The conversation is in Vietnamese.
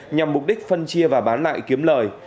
nhằm mục đích phân chia và bán lại kiếm lời